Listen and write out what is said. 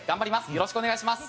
よろしくお願いします。